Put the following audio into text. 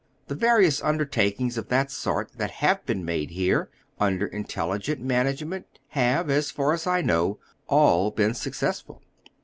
The various undertakings of that sort that have been made here under intelligent management have, as far as I know, all been successful.